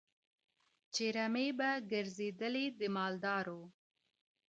چي رمې به گرځېدلې د مالدارو